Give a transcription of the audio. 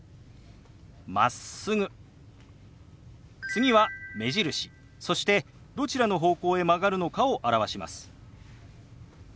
次は目印そしてどちらの方向へ曲がるのかを表します。